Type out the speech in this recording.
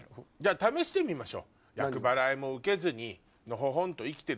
試してみましょ。